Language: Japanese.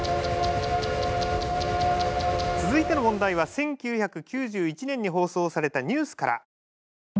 続いての問題は１９９１年に放送されたニュースから。